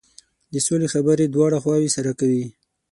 د سولې خبرې دواړه خواوې سره کوي.